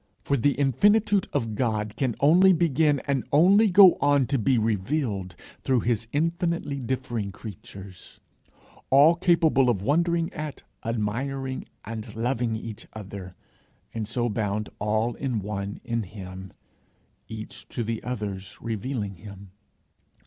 For the infinitude of God can only begin and only go on to be revealed, through his infinitely differing creatures all capable of wondering at, admiring, and loving each other, and so bound all in one in him, each to the others revealing him.